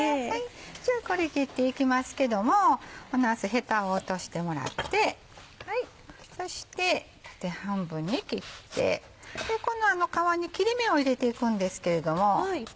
じゃあこれ切っていきますけどもなすヘタを落としてもらってそして縦半分に切ってこの皮に切れ目を入れていくんですけれども。